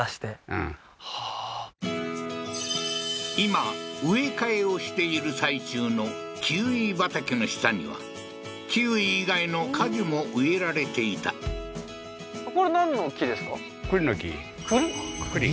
うんはあー今植え替えをしている最中のキウイ畑の下にはキウイ以外の果樹も植えられていた栗？